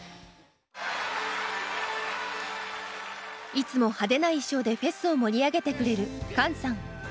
いつも派手な衣装でフェスを盛り上げてくれるＫＡＮさん。